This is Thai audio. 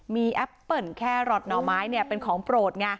มีแอปเปิ้ลแครอทหน่อไม้เป็นของโปรดไง